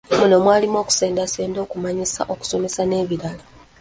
Muno mwalimu okusendasenda, okumanyisa, okusomesa n’ebirala.